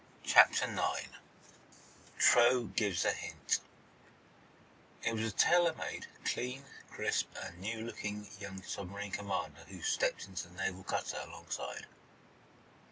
CHAPTER IX: TRUAX GIVES A HINT It was a tailor made, clean, crisp and new looking young submarine commander who stepped into the naval cutter alongside.